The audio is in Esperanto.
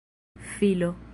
filo